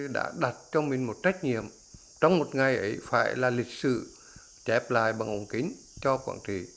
đã đặt cho mình một trách nhiệm trong một ngày ấy phải là lịch sử chép lại bằng ống kính cho quảng trị